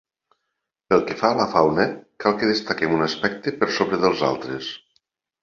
Pel que fa a la fauna, cal que destaquem un aspecte per sobre dels altres.